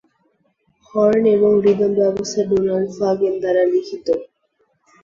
Horn এবং rhythm ব্যবস্থা Donald Fagen দ্বারা লিখিত।